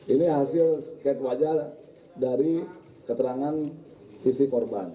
ini hasil sket wajah dari keterangan istri korban